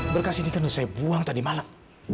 berkas ini kan saya buang tadi malam